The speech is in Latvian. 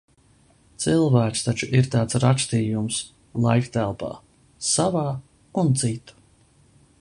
Cilvēks taču ir tāds rakstījums laiktelpā – savā un citu.